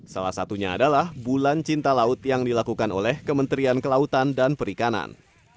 salah satunya adalah bulan cinta laut yang dilakukan oleh kementerian kelautan dan perikanan